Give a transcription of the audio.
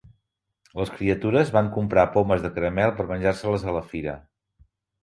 Les criatures van comprar pomes de caramel per menjar-se-les a la fira.